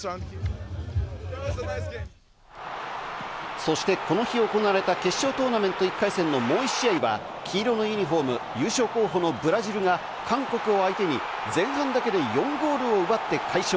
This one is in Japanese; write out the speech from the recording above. そしてこの日行われた、決勝トーナメント１回戦のもう１試合は黄色のユニホーム、優勝候補のブラジルが韓国を相手に前半だけで４ゴールを奪って快勝。